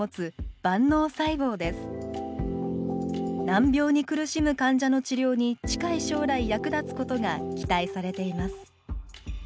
難病に苦しむ患者の治療に近い将来役立つことが期待されています